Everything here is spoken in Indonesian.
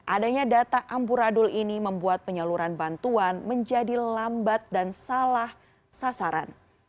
adanya data amburadul ini membuat penyaluran bantuan menjadi lambat dan salah sasaran